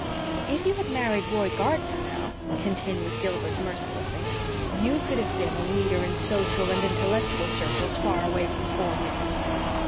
"If you had married Roy Gardner, now," continued Gilbert mercilessly, "YOU could have been 'a leader in social and intellectual circles far away from Four Winds.'"